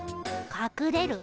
かくれる？